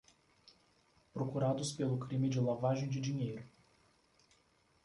Procurados pelo crime de lavagem de dinheiro